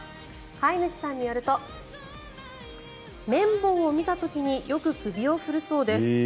飼い主さんによると綿棒を見た時によく首を振るそうです。